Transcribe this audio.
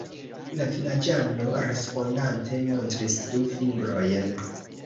La vilaĝano, respondante, montris du fingrojn.